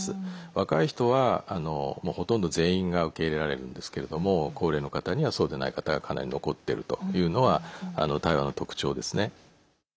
若い人は、ほとんど全員が受け入れられるんですけれども高齢の方には、そうでない方がかなり残っているというのが台湾の特徴ですね。